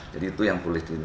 jadi itu yang boleh di